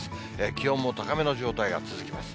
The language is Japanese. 気温も高めの状態が続きます。